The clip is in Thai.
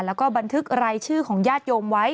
แล้วก็บันทึกรายชื่อของญาติโยมไว้